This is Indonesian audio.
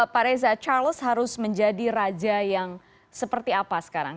pak reza charles harus menjadi raja yang seperti apa sekarang